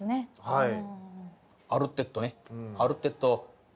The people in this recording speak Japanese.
はい。